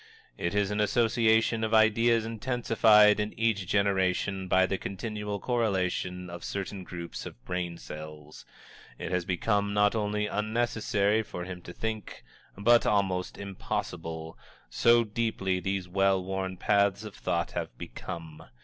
It is an association of ideas intensified in each generation by the continual correlation of certain groups of brain cells. It has become not only unnecessary for him to think, but almost impossible, so deeply these well worn paths of thought have become.